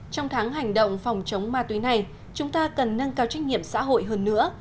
trong tháng hành động phòng chống ma túy này chúng ta cần nâng cao trách nhiệm xã hội hơn nữa